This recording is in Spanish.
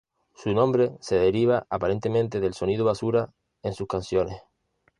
Su nombre se deriva aparentemente del "sonido basura" en sus canciones.